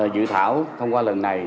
dự thảo thông qua lần này